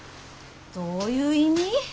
どういう意味？